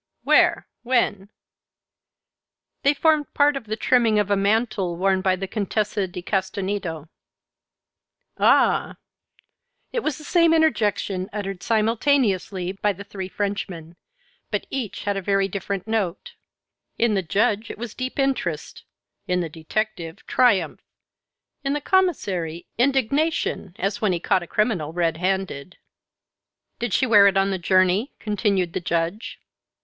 "Where? When?" "They formed part of the trimming of a mantle worn by the Contessa di Castagneto." "Ah!" it was the same interjection uttered simultaneously by the three Frenchmen, but each had a very different note; in the Judge it was deep interest, in the detective triumph, in the Commissary indignation, as when he caught a criminal red handed. "Did she wear it on the journey?" continued the Judge.